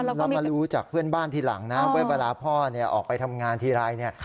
เรามารู้จากเพื่อนบ้านทีหลังนะว่าเวลาพ่อออกไปทำงานทีไรเนี่ย